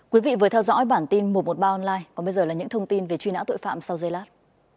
quý vị vừa theo dõi bản tin một trăm một mươi ba online còn bây giờ là những thông tin về truy nã tội phạm sau giây lát